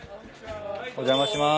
お邪魔します。